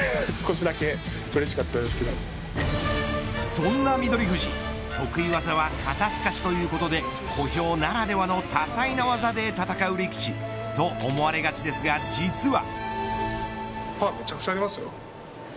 そんな翠富士得意技は肩透かしということで小兵ならではの多彩な技で戦う力士と思われがちですが、実は。